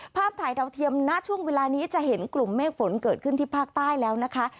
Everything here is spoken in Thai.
ภาพถ่ายดาวเทียมณช่วงเวลานี้จะเห็นกลุ่มเมฆฝนเกิดขึ้นที่ภาคใต้แล้วนะคะ